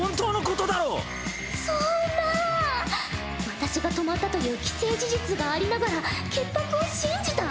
私が泊まったという既成事実がありながら潔白を信じた？